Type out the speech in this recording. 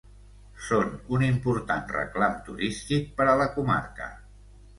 Són un important reclam turístic per a la comarca.